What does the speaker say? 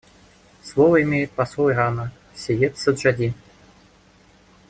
Слово имеет посол Ирана Сейед Саджади.